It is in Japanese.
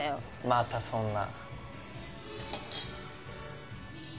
またそんな。